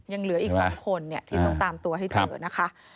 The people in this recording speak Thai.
ยังเหลืออีก๒คนที่ต้องตามตัวให้เจอนะคะ